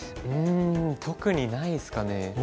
うん特にないですかね。